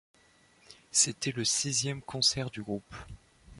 C'était le sixième concert du groupe.